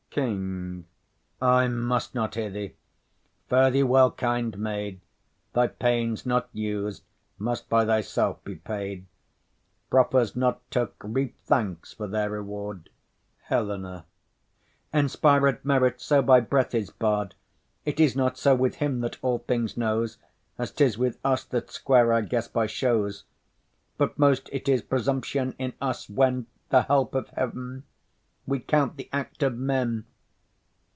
KING. I must not hear thee. Fare thee well, kind maid. Thy pains, not us'd, must by thyself be paid; Proffers, not took, reap thanks for their reward. HELENA. Inspired merit so by breath is barr'd. It is not so with Him that all things knows As 'tis with us that square our guess by shows; But most it is presumption in us when The help of heaven we count the act of men.